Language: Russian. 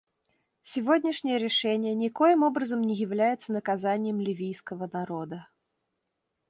Сегодняшнее решение никоим образом не является наказанием ливийского народа.